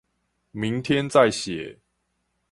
明天再寫